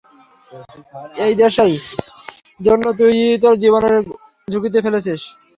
এই দেশের জন্য তুই তোর জীবন ঝুঁকিতে ফেলেছিস।